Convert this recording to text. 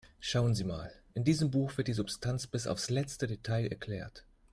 Schauen Sie mal, in diesem Buch wird die Substanz bis aufs letzte Detail erklärt.